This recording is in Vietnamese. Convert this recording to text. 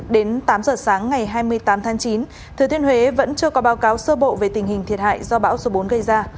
đến tám giờ sáng ngày hai mươi tám tháng chín thừa thiên huế vẫn chưa có báo cáo sơ bộ về tình hình thiệt hại do bão số bốn gây ra